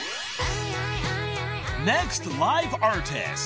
［ネクストライブアーティスト］